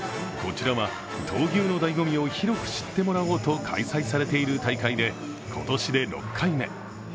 こちらは闘牛のだいご味を広く知ってもらおうと開催されている大会で今年で６回目。